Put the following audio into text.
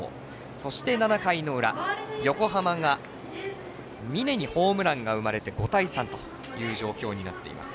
そして７回の裏横浜が峯にホームランが生まれて５対３という状況になっています。